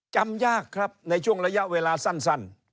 จำยากครับในช่วงระยะเวลาสั้น